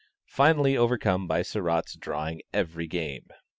finally overcome by Sarratt's drawing every game.